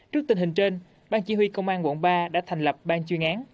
trước tình hình trên ban chỉ huy công an quận ba đã thành lập ban chuyên án